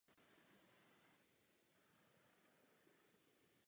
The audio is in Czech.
Díky svým titulům je známá také jako Jolanda z Anjou nebo Jolanda z Baru.